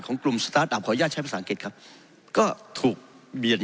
กลุ่มสตาร์ทอัพขออนุญาตใช้ภาษาอังกฤษครับก็ถูกเบียด